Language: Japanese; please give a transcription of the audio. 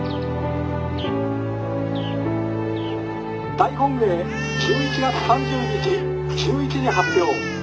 「大本営１１月３０日１１時発表。